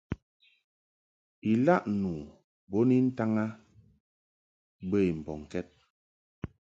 Ilaʼ nu bo ni ntaŋ a bə i mbɔŋkɛd.